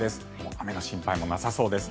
雨の心配もなさそうです。